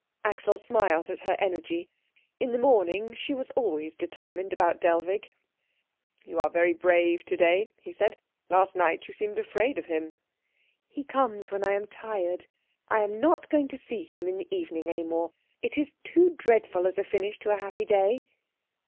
Axel smiled at her energy. In the morning she was always determined about Dellwig. "You are very brave to day," he said. "Last night you seemed afraid of him." "He comes when I am tired. I am not going to see him in the evening any more. It is too dreadful as a finish to a happy day."